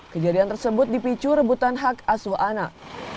kejadian tersebut dipicu rebutan hak asuh anak